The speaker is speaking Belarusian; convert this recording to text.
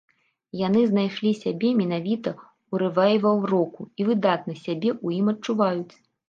Яны знайшлі сябе менавіта ў рэвайвал-року і выдатна сябе ў ім адчуваюць.